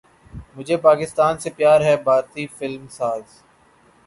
مجھے پاکستان سے پیار ہے بھارتی فلم ساز